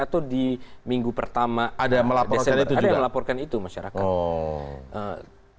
atau di minggu pertama desember ada yang melaporkan itu masyarakat